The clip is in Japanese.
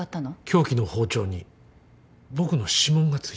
凶器の包丁に僕の指紋がついていた。